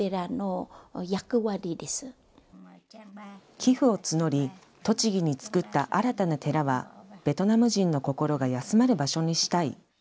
寄付を募り、栃木に作った新たな寺は、ベトナム人の心がやすまる場所にしたい。